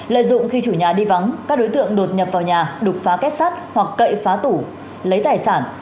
lợi dụng khi chủ nhà đi vắng các đối tượng đột nhập vào nhà đục phá kết sắt hoặc cậy phá tủ lấy tài sản